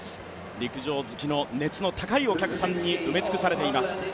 陸上好きの熱の高いお客さんに埋め尽くされております。